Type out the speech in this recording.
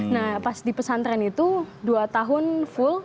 nah pas di pesantren itu dua tahun full